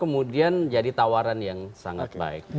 kemudian jadi tawaran yang sangat baik